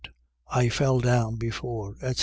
I fell down before, etc.